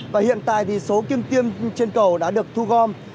và hiện tại thì số kiêng tiêm trên cầu đã được thu gom